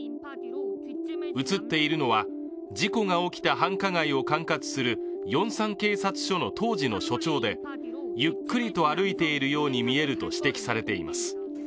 移っているのは事故が起きた繁華街を経営するヨンサン警察署の当時の署長で、ゆっくりと歩いているように見えると指摘されています。